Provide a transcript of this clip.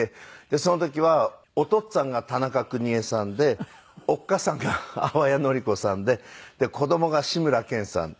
その時はおとっつぁんが田中邦衛さんでおっかさんが淡谷のり子さんで子供が志村けんさん。